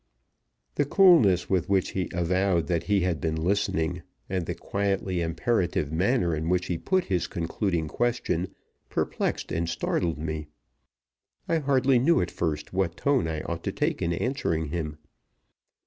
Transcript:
The coolness with which he avowed that he had been listening, and the quietly imperative manner in which he put his concluding question, perplexed and startled me. I hardly knew at first what tone I ought to take in answering him.